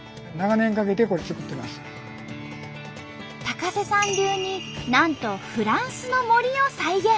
高瀬さん流になんとフランスの森を再現。